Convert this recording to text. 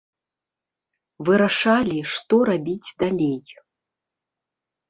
Вырашалі, што рабіць далей.